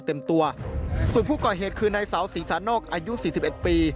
ส่วนผู้ก่อเหตุคือนายสาวศรีสานอกอายุ๔๑ปี